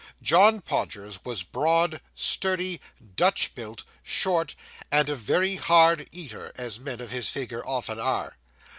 John Podgers was broad, sturdy, Dutch built, short, and a very hard eater, as men of his figure often are.